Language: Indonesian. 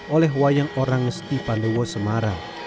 oleh wayang orang ngesti pandowo semarang